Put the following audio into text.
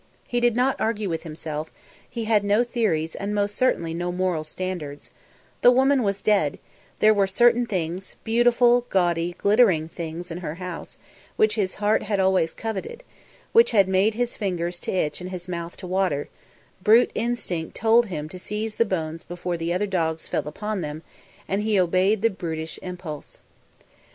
He did not argue with himself, he had no theories and most certainly no moral standards: the woman was dead; there were certain things, beautiful, gaudy, glittering things in her house which his heart had always coveted, which had made his fingers to itch and his mouth to water; brute instinct told him to seize the bones before the other dogs fell upon them; and he obeyed the brutish impulse.